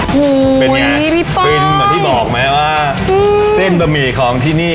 หูยปีป้อยเป็นไงฟนแบบที่บอกไหมว่าอืมเส้นบะหมี่ของที่นี่